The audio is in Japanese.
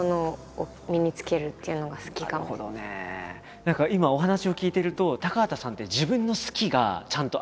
何か今お話を聞いていると高畑さんって自分の「好き」がちゃんとあるじゃないですか。